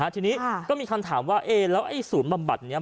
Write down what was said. ที่นี้ก็มีคำถามว่าแล้วสูตรบำบัดเนี้ย